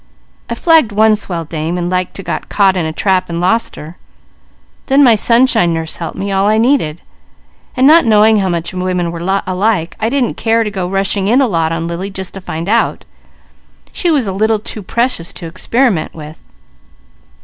I flagged one Swell Dame, and like to got caught in a trap and lost her. Then my Sunshine Nurse helped me all I needed; so not knowing how much women were alike, I didn't care to go rushing in a lot on Lily just to find out. She was a little too precious to experiment with.